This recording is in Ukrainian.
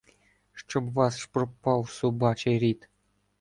Щоб ваш пропав собачий рід!